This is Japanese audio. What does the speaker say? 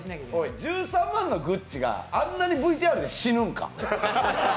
１３万のグッチがあんなにＶＴＲで死ぬんか。